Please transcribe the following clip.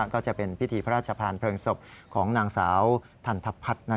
ก็จะเป็นพิธีพระราชธานพลเริงสบของนางสาวธันทะพัด